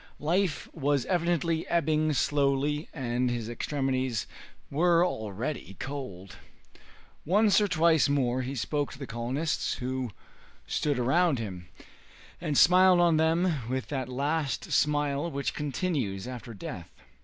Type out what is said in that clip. Life was evidently ebbing slowly and his extremities were already cold. Once or twice more he spoke to the colonists who stood around him, and smiled on them with that last smile which continues after death.